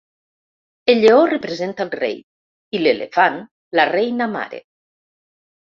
El lleó representa el rei, i l'elefant la reina mare.